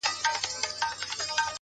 • چي یې تاب د هضمېدو نسته وجود کي..